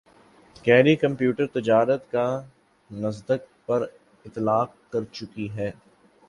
کَرئے computer تجارت کا Nasdaq پر اطلاق کر چکی ہے